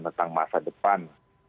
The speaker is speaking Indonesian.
tentang masa depan